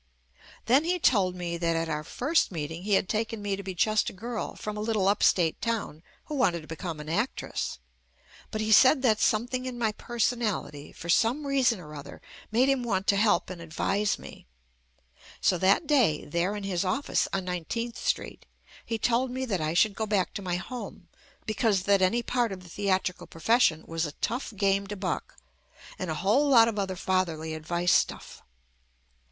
Then he told me that at our first meeting he had taken me to be just a girl from a little up state town who wanted to become an actress. But he said that something in my personality, for JUST ME some reason or other, made him want to help and advise me. So that day, there in his office on 19th Street, he told me that I should go back to my home because that any part of the theatrical profession was a tough game to buck and a whole lot of other fatherly advice stuff.